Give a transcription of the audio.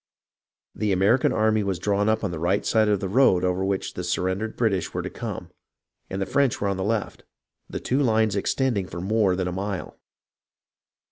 The Ameri can army was drawn up on the right side of the road over which the surrendered British were to come, and the French were on the left, the two lines extending for more than a mile.